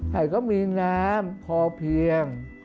ให้เขามีน้ำพอเพียง